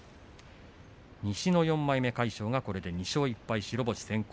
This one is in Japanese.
西の４枚目、魁勝２勝１敗白星先行。